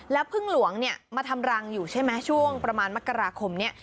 แล้วพึ่งหลวงเนี่ยมาทำรังอยู่ใช่ไหมช่วงประมาณมกราคมนี้